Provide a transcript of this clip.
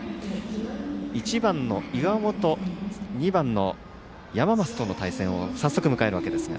１番の岩本２番の山増との対戦を早速迎えるわけですが。